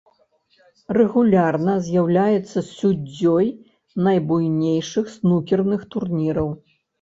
Рэгулярна з'яўляецца суддзёй найбуйнейшых снукерных турніраў.